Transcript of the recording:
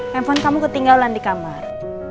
handphone kamu ketinggalan di kamar